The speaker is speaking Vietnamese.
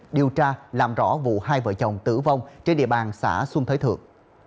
điều tra làm rõ vụ hai vợ chồng tử vong trên địa bàn xã xuân thới thượng